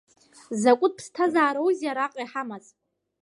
Закәытә ԥсҭазаароузеи араҟа иҳамаз?